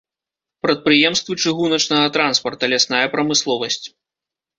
Прадпрыемствы чыгуначнага транспарта, лясная прамысловасць.